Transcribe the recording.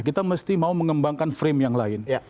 kita mesti mau mengembangkan frame yang lain